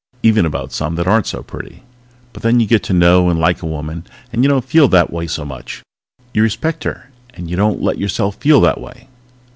Even about some that aren't so pretty. But then you get to know and like a woman, and you don't feel that way so much. You respect her and you don't let yourself feel that way.